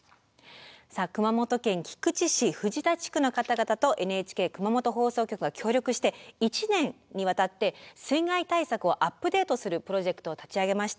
さあ熊本県菊池市藤田地区の方々とＮＨＫ熊本放送局が協力して１年にわたって水害対策をアップデートするプロジェクトを立ち上げました。